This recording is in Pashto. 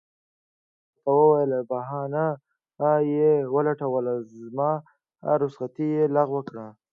ما ورته وویل: بهانه یې ولټول، زما رخصتي یې لغوه کړه.